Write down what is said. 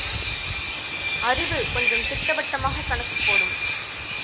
அறிவு கொஞ்சம் திட்டவட்டமாகக் கணக்குப் போடும்.